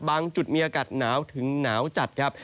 จุดมีอากาศหนาวถึงหนาวจัดครับ